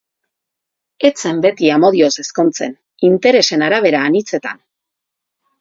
Ez zen beti amodioz ezkontzen, interesen arabera anitzetan!